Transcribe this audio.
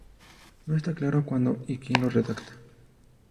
No está claro cuando y quien la redactó.